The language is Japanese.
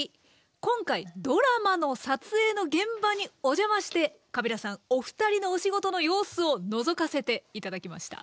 今回ドラマの撮影の現場にお邪魔してカビラさんお二人のお仕事の様子をのぞかせて頂きました。